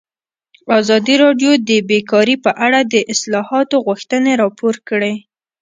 ازادي راډیو د بیکاري په اړه د اصلاحاتو غوښتنې راپور کړې.